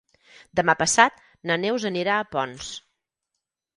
Demà passat na Neus anirà a Ponts.